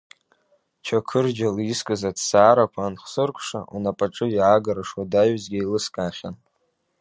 Чақырџьалы изкыз аҭҵаарақәа анхсыркәша, унапаҿы иаагара шуадаҩызгьы еилыскаахьан.